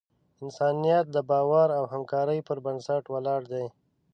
انسانیت د باور او همکارۍ پر بنسټ ولاړ دی.